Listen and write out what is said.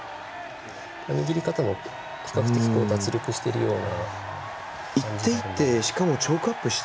握り方も比較的脱力しているような。